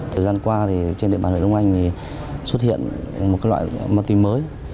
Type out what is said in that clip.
thời gian qua thì trên địa bàn hội đồng anh thì xuất hiện một loại ma túy mới